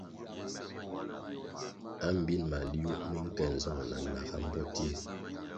Ambin maliuh mi nke nzong na naga mbpoti ri.